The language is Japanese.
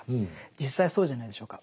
実際そうじゃないでしょうか。